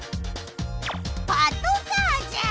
「パトカー」じゃ！